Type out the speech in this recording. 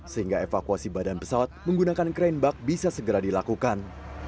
sehingga evakuasi badan pesawat menggunakan crane buck bisa segera dilakukan